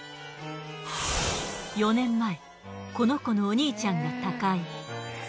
４年前この子のお兄ちゃんが他界。